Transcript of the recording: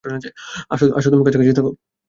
আসো তুমি কাছাকাছি থাকো?